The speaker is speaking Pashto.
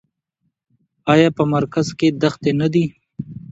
آیا په مرکز کې دښتې نه دي؟